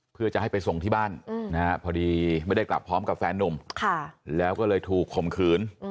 เพื่อจะให้ไปส่งที่บ้านพอดีไม่ได้กลับพร้อมกับแฟนนุ่มแล้วก็เลยถูกข่มขืน